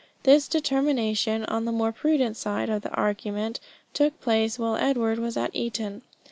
This determination on the more prudent side of the argument took place while Edward was at Eton.